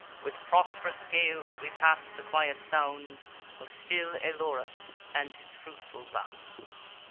With prosp'rous gales we pass the quiet sounds Of still Elorus, and his fruitful bounds.